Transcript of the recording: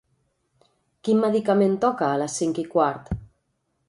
Quin medicament toca a les cinc i quart?